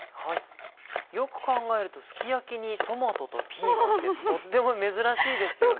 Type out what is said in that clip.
よく考えるとすき焼きにトマトとピーマンってとっても珍しいですよね。